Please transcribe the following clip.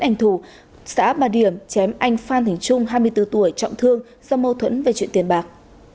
anh thủ xã bà điểm chém anh phan thành trung hai mươi bốn tuổi trọng thương do mâu thuẫn về chuyện tiền bạc